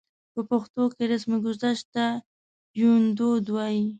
په پښتو کې رسمګذشت ته يوندود وايي.